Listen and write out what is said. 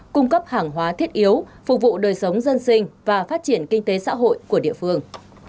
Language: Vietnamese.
cung cấp hàng hóa thiết yếu phục vụ đời sống dân sinh và phát triển kinh tế xã hội của địa phương